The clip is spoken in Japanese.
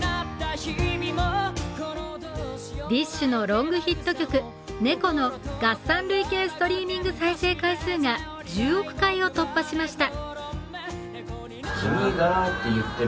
ＤＩＳＨ／／のロングヒット曲「猫」の合算累計ストリーミング再生回数が１０億回を突破しました。